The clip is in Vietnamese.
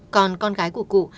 còn con gái của cụ